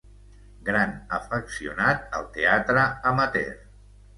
Gran afeccionat al teatre amateur.